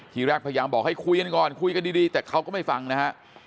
ทีแรกพยายามบอกให้คุยกันก่อนคุยกันดีแต่เขาก็ไม่ฟังนะฮะ